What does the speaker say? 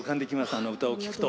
あの歌を聴くと。